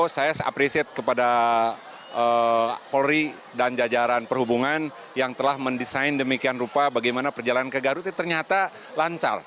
saya apresiasi kepada polri dan jajaran perhubungan yang telah mendesain demikian rupa bagaimana perjalanan ke garutnya ternyata lancar